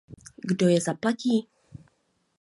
Kdo je zaplatí?